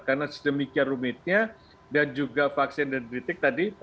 karena sedemikian rumitnya dan juga vaksin yang ditreat tadi